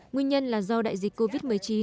nguyên nhân là do đại dịch covid một mươi chín